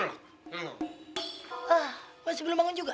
ah masih belum bangun juga